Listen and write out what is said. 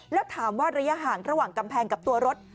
แล้วถามว่าระยะห่างระหว่างกำแพงกับตัวรถ